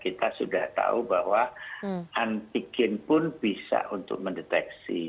kita sudah tahu bahwa antigen pun bisa untuk mendeteksi